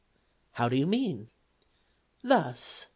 ' How do you mean ?'' Thus.